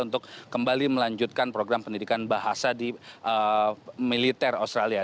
untuk kembali melanjutkan program pendidikan bahasa di militer australia